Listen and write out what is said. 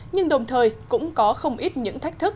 nhưng đồng thời cũng có không ít những thách thức